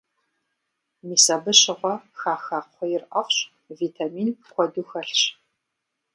Мис абы щыгъуэ хаха кхъуейр ӏэфӏщ, витамин куэду хэлъщ.